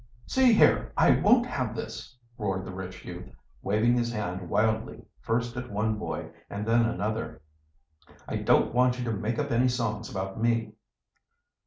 "See here, I won't have this!" roared the rich youth, waving his hand wildly first at one boy and then another. "I don't want you to make up any songs about me."